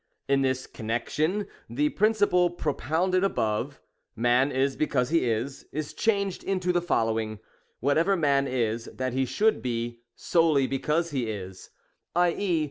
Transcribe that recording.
In this connexion the prin ciple propounded above, — Man is, because he is, — is changed into the following, — Whatever Man is, that he should be, tolely because lie is ;— i. e.